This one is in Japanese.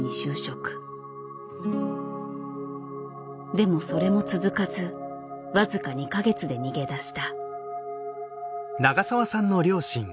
でもそれも続かず僅か２か月で逃げ出した。